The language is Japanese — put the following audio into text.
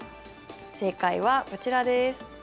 正解はこちらです。